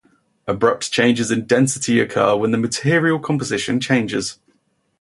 Abrupt changes in density occur where the material composition changes.